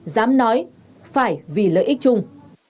dám nói phải vì lợi ích chung